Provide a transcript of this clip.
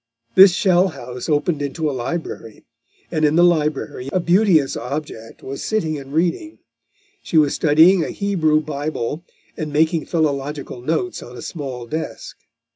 This shell house opened into a library, and in the library a beauteous object was sitting and reading. She was studying a Hebrew Bible, and making philological notes on a small desk.